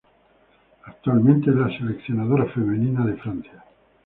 Actualmente es la seleccionadora femenina de Francia.